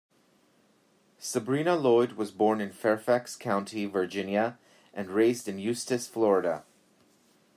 Sabrina Lloyd was born in Fairfax County, Virginia, and raised in Eustis, Florida.